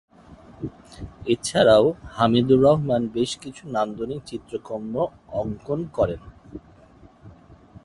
এছাড়াও হামিদুর রহমান বেশকিছু নান্দনিক চিত্রকর্ম অঙ্কন করেন।